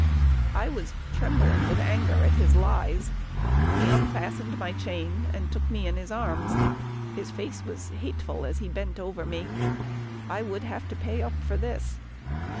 I was trembling with anger at his lies. He unfastened my chain, and took me in his arms. His face was hateful as he bent over me. I would have to pay up for this.